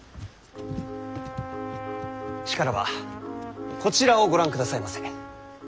しからばこちらをご覧くださいませ。